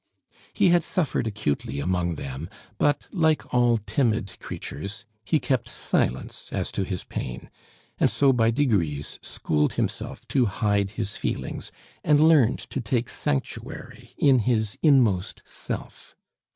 He had suffered acutely among them, but, like all timid creatures, he kept silence as to his pain; and so by degrees schooled himself to hide his feelings, and learned to take sanctuary in his inmost self.